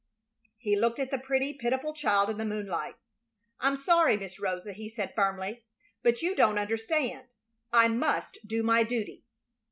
He looked at the pretty, pitiful child in the moonlight. "I'm sorry, Miss Rosa," he said, firmly. "But you don't understand. I must do my duty."